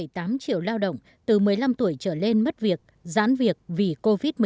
một tám triệu lao động từ một mươi năm tuổi trở lên mất việc giãn việc vì covid một mươi chín